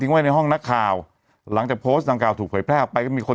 ไว้ในห้องนักข่าวหลังจากโพสต์ดังกล่าถูกเผยแพร่ออกไปก็มีคน